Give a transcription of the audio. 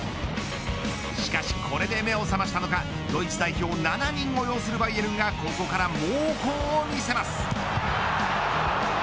しかし、これで目を覚ましたのかドイツ代表７人を擁するバイエルンがここから猛攻を見せます。